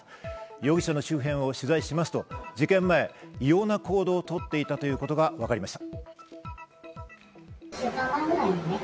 容疑者の周辺を取材すると、事件前、異様な行動をとっていたことがわかりました。